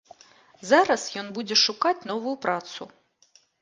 Зараз ён будзе шукаць новую працу.